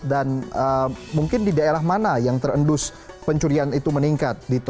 dan mungkin di daerah mana yang terendus pencurian itu meningkat dito